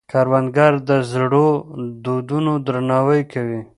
کروندګر د زړو دودونو درناوی کوي